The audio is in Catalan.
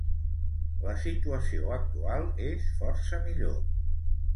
La situació actual és força millor.